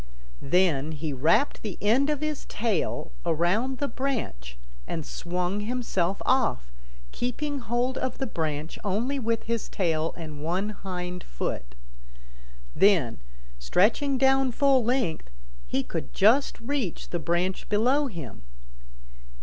Then he wrapped the end of his tail around the branch and swung himself off, keeping hold of the branch only with his tail and one hind foot. Then, stretching down full length, he could just reach the branch below him.